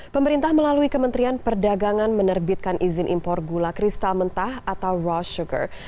pemerintah melalui kementerian perdagangan menerbitkan izin impor gula kristal mentah atau rosh sugar